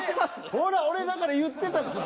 ほら俺だから言ってたでしょ。